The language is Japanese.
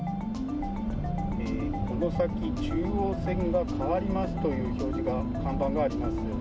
この先中央線が変わりますという表示が、看板があります。